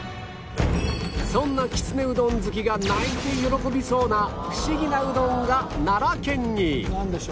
そんなきつねうどん好きが泣いて喜びそうなフシギなうどんが奈良県に！